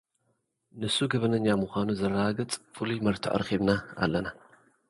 ንሱ ገበነኛ ምዃኑ ዘረጋግጽ ፍሉይ መርትዖ ረኺብና ኣለና።